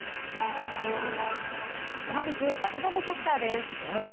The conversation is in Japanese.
おはＢｉｚ、渡部キャスターです。